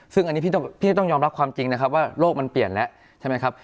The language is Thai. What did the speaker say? ซึ่งอันนี้พี่ต้องยอมรับความจริงนะครับว่าโลกมันเปลี่ยนแล้วใช่ไหมครับ